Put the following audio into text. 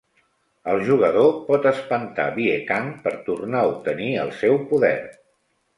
El jugador pot espantar Viekang per tornar a obtenir el seu poder.